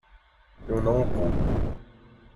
Eu não o culpo.